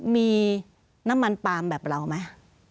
มีน้ำมันปาล์มแบบเราไหม